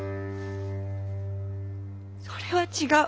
それは違う。